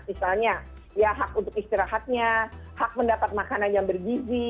misalnya ya hak untuk istirahatnya hak mendapat makanan yang bergizi